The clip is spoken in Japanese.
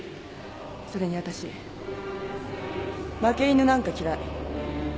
それにわたし負け犬なんか嫌い。